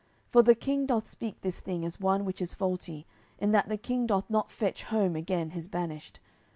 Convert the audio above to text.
for the king doth speak this thing as one which is faulty, in that the king doth not fetch home again his banished.